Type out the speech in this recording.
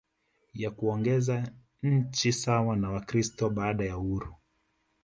ya kuongoza nchi sawa na Wakristo baada ya uhuru